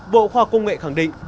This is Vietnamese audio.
bộ khoa công nghệ khẳng định